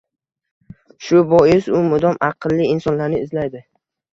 Shu bois u mudom aqlli insonlarni izlaydi